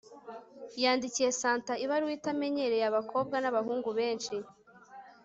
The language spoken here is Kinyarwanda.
yandikiye santa ibaruwa, itamenyereye abakobwa nabahungu benshi